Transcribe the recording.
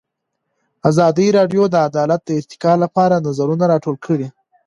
ازادي راډیو د عدالت د ارتقا لپاره نظرونه راټول کړي.